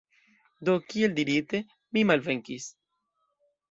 Do, kiel dirite, mi malvenkis.